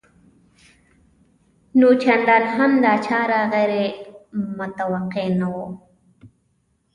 نو چندان هم دا چاره غیر متوقع نه وه